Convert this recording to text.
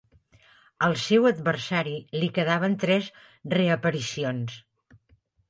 Al seu adversari li quedaven tres reaparicions.